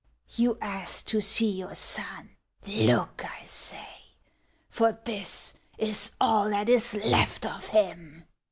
You asked to see your son. Look, I say ! tor this is all that is left of him."